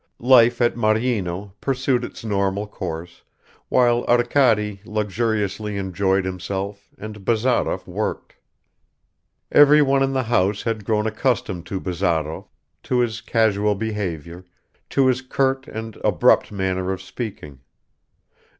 LIFE AT MARYINO PURSUED ITS NORMAL course, while Arkady luxuriously enjoyed himself and Bazarov worked. Everyone in the house had grown accustomed to Bazarov, to his casual behavior, to his curt and abrupt manner of speaking.